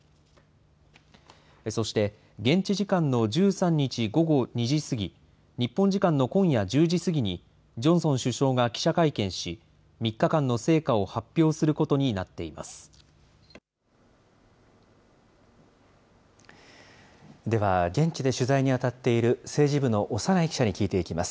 そして現地時間の１３日午後２時過ぎ、日本時間の今夜１０時過ぎにジョンソン首相が記者会見し、３日間の成果を発表することになっています。